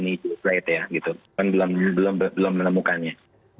dan juga dari pak david yang belum menemukannya